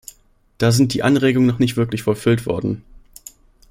Da sind die Anregungen noch nicht wirklich vollfüllt worden.